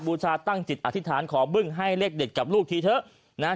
บูชาตั้งจิตอธิษฐานขอบึ้งให้เลขเด็ดกับลูกทีเถอะนะฮะ